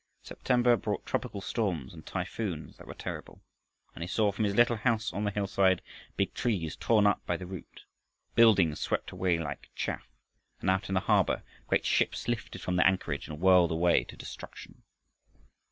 September brought tropical storms and typhoons that were terrible, and he saw from his little house on the hillside big trees torn up by the root, buildings swept away like chaff, and out in the harbor great ships lifted from their anchorage and whirled away to destruction.